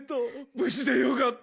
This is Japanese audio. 無事でよかった。